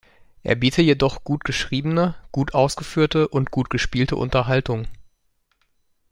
Er biete jedoch gut geschriebene, gut ausgeführte und gut gespielte Unterhaltung.